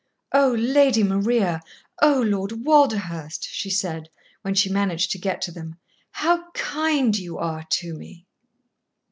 "Oh, Lady Maria! oh, Lord Walderhurst!" she said, when she managed to get to them, "how kind you are to me!"